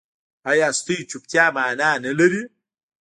ایا ستاسو چوپتیا معنی نلري؟